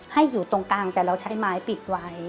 ให้อยู่ตรงกลางแต่เราใช้ไม้ปิดไว้